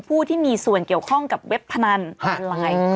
ผู้ที่มีส่วนเกี่ยวข้องกับเว็บพนันออนไลน์